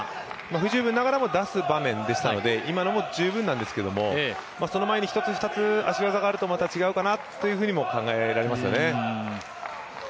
不十分ながらも出す場面でしたので、今のも十分なんですけどその前に１つ２つ足技があると、また違うかなと考えられますね。